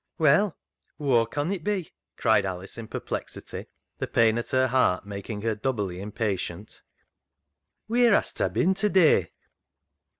" Well, whoa con it be ?" cried Alice, in per plexity, the pain at her heart making her doubly impatient ;" Wheer has ta bin to day?